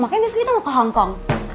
makanya biasanya kita mau ke hongkong